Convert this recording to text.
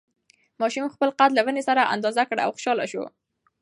ماشوم خپل قد له ونې سره اندازه کړ او خوشحاله شو.